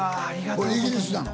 これイギリスなの？